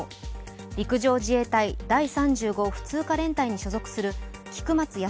陸上自衛隊第３５普通科連隊に所属する菊松安